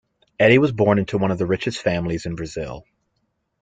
Eddy was born into one of the richest families in Brazil.